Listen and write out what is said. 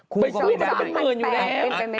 คู่ก็ไม่ได้